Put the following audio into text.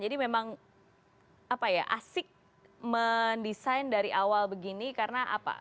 jadi memang asik mendesain dari awal begini karena apa